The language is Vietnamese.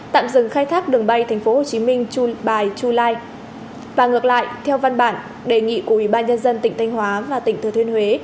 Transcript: tạm dừng khai thác đường bay tp hcm by july và ngược lại theo văn bản đề nghị của ủy ban nhân dân tỉnh thanh hóa và tỉnh thừa thuyên huế